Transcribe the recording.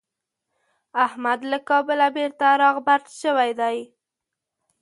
احمد له کابله بېرته راغبرګ شوی دی.